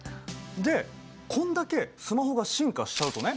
でこんだけスマホが進化しちゃうとね